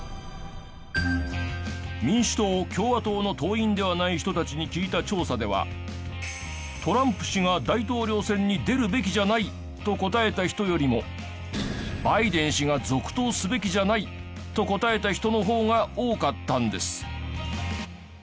民主党共和党の党員ではない人たちに聞いた調査ではトランプ氏が大統領選に出るべきじゃないと答えた人よりもバイデン氏が続投すべきじゃないと答えた人の方が多かったんです。